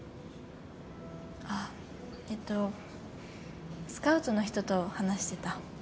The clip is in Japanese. あっえっとスカウトの人と話してた。